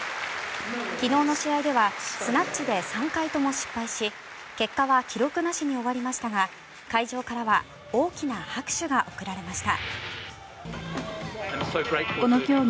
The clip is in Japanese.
昨日の試合ではスナッチで３回とも失敗し結果は記録なしに終わりましたが会場からは大きな拍手が送られました。